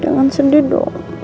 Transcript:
jangan sedih dong